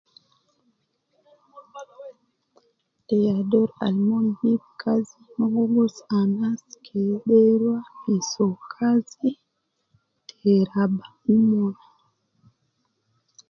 Ya dor almon jibu kazi mo mon gi gus anas kede ruwa fi so kazi te raba umon.